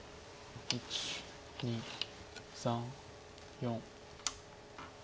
１２３４。